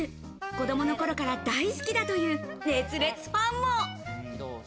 子供の頃から大好きだという熱烈ファンも。